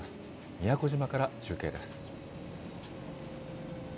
宮古島から中継です。